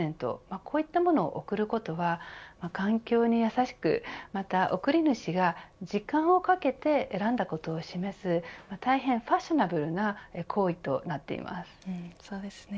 こういったものを贈ることは環境に優しく、また贈り主が時間をかけて選んだことを示す大変ファッショナブルな行為とそうですね。